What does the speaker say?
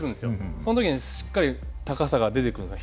その時にしっかり高さが出てくるんですよ